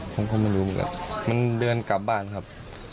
ผมก็ไม่รู้หรอกมันเดินกลับบ้านครับ